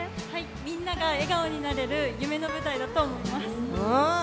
みんなが笑顔になれる夢の舞台だと思います。